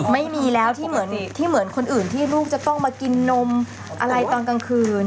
ไม่มีแล้วที่เหมือนที่เหมือนคนอื่นที่ลูกจะต้องมากินนมอะไรตอนกลางคืน